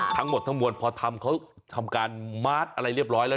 ทั้งหมดทั้งมวลพอทำเขาทำการมาร์ทอะไรเรียบร้อยแล้ว